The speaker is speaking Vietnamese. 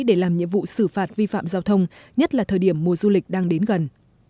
để làm nhiệm vụ xử phạt vi phạm giao thông nhất là thời điểm mùa du lịch đang đến gần